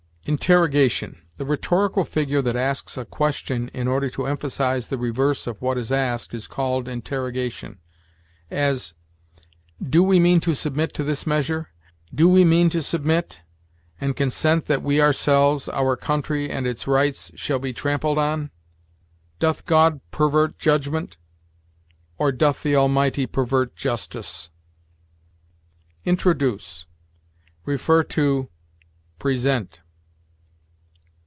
INTERROGATION. The rhetorical figure that asks a question in order to emphasize the reverse of what is asked is called interrogation; as, "Do we mean to submit to this measure? Do we mean to submit, and consent that we ourselves, our country and its rights, shall be trampled on?" "Doth God pervert judgment? or doth the Almighty pervert justice?" INTRODUCE. See PRESENT.